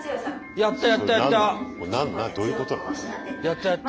やったやった！